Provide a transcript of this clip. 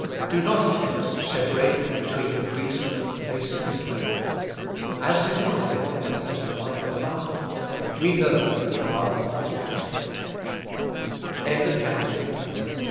Do not attempt to separate between the priest and the place of his dwelling. As His life in heaven is the life of our heart, we know the power of His priesthoo